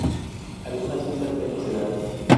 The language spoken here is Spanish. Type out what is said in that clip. Algunas vistas del rosedal.